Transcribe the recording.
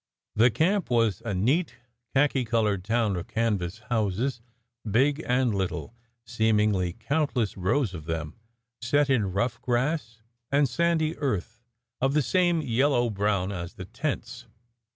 The camp was a neat, khaki coloured town of canvas houses, big and little, seemingly countless rows of them, set in rough grass, and sandy earth of the same yellow brown as the tents.